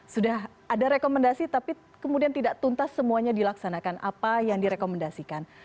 sudah ada rekomendasi tapi kemudian tidak tuntas semuanya dilaksanakan apa yang direkomendasikan